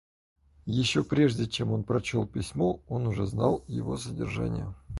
Еще прежде чем он прочел письмо, он уже знал его содержание.